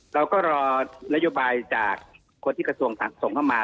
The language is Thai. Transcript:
เราก็รอนโยบายจากคนที่กระทรวงส่งเข้ามา